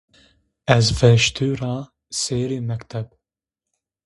Ez veştu ra sêri mekteb.